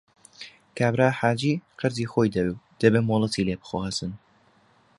کابرا حاجی قەرزی خۆی دەوێ و دەبێ مۆڵەتی لێ بخوازن